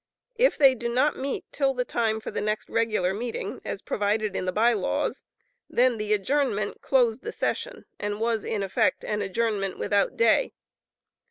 If they do not meet till the time for the next regular meeting, as provided in the By Laws, then the adjournment closed the session, and was in effect an adjournment without day.